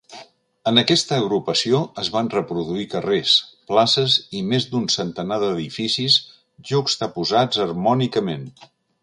En aquesta agrupació es van reproduir carrers, places i més d'un centenar d'edificis, juxtaposats harmònicament.